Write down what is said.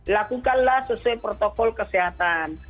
lakukanlah sesuai protokol kesehatan